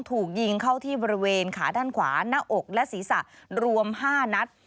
ถูกยิงเข้าที่บริเวณขาด้านขวาหน้าอกและศีรษะรวม๕นัด